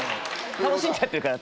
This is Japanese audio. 楽しんじゃってるから。